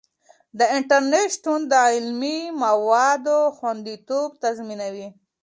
د انټرنیټ شتون د علمي موادو خوندیتوب تضمینوي.